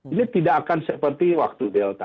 ini tidak akan seperti waktu delta